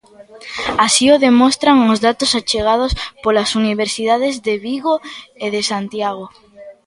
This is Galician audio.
Así o demostran os datos achegados polas Universidades de Vigo e de Santiago.